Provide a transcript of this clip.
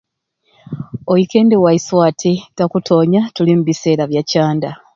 Oikendi ewaiswe ati takutonya tuli mu biseera bya canda.